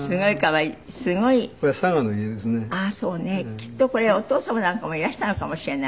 きっとこれお父様なんかもいらしたのかもしれない。